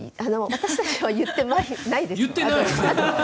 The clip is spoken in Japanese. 私たちは言ってないです。